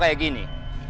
kalau kayak gini